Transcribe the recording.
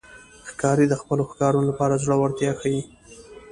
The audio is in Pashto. ښکاري د خپلو ښکارونو لپاره زړورتیا ښيي.